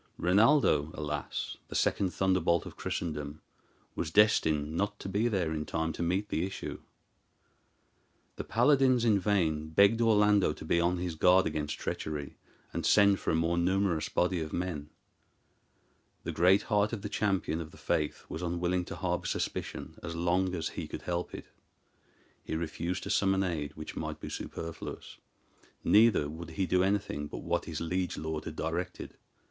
Rinaldo, alas! the second thunderbolt of Christendom, was destined not to be there in time to meet the issue. The paladins in vain begged Orlando to be on his guard against treachery, and send for a more numerous body of men. The great heart of the Champion of the Faith was unwilling to harbor suspicion as long as he could help it. He refused to summon aid which might be superfluous; neither would he do anything but what his liege lord had directed.